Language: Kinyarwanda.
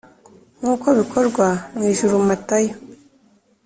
nk uko bikorwa mu ijuru Matayo